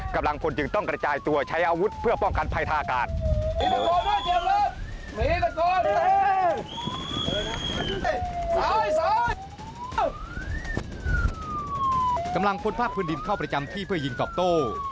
กำลังพนภาคพื้นดินเข้าประจำที่เพื่อยิงกรอบโต้